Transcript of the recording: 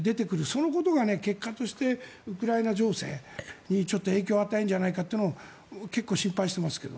そのことが結果としてウクライナ情勢に結果を与えるんじゃないかと結構心配していますが。